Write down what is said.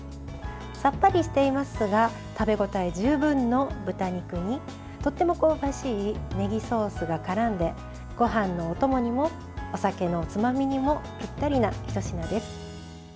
さっぱりしていますが食べ応え十分の豚肉にとっても香ばしいねぎソースがからんでごはんのお供にもお酒のおつまみにもぴったりなひと品です。